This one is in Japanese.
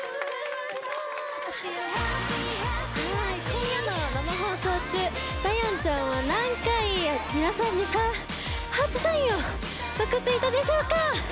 今夜の生放送中ダヒョンちゃんは何回、皆さんにハートサインを送っていたでしょうか。